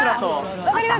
分かります？